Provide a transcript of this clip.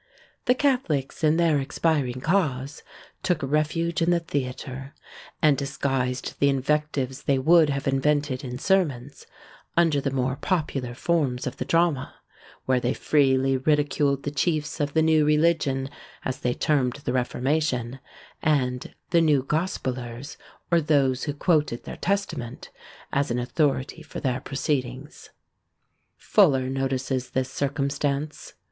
The Catholics, in their expiring cause, took refuge in the theatre, and disguised the invectives they would have invented in sermons, under the more popular forms of the drama, where they freely ridiculed the chiefs of the new religion, as they termed the Reformation, and "the new Gospellers," or those who quoted their Testament, as an authority for their proceedings. Fuller notices this circumstance.